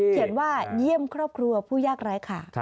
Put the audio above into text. เขียนว่าเยี่ยมครอบครัวผู้ยากร้ายค่ะ